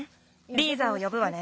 リーザをよぶわね。